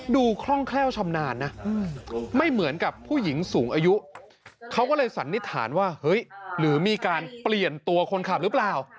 คล่องแคล่วชำนาญนะไม่เหมือนกับผู้หญิงสูงอายุเขาก็เลยสันนิษฐานว่าเฮ้ยหรือมีการเปลี่ยนตัวคนขับหรือเปล่า